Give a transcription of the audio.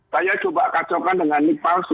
saya coba kacaukan dengan nik palsu